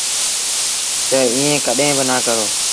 تا ايٚئيٚن ڪڏهيݩ با نا ڪرو۔